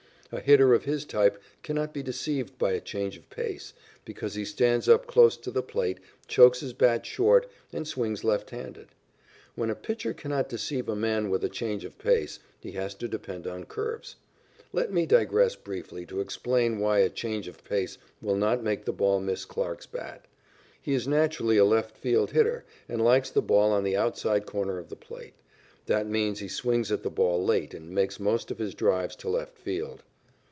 A hitter of his type cannot be deceived by a change of pace, because he stands up close to the plate, chokes his bat short, and swings left handed. When a pitcher cannot deceive a man with a change of pace, he has to depend on curves. Let me digress briefly to explain why a change of pace will not make the ball miss Clarke's bat. He is naturally a left field hitter, and likes the ball on the outside corner of the plate. That means he swings at the ball late and makes most of his drives to left field.